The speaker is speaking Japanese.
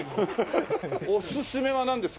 おすすめはなんですか？